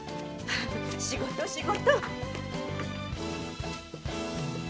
仕事仕事。